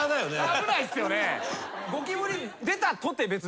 危ないっすよね。